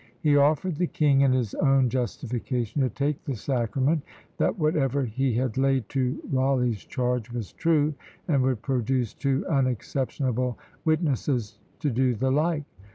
He offered the king, in his own justification, to take the sacrament, that whatever he had laid to Rawleigh's charge was true, and would produce two unexceptionable witnesses to do the like.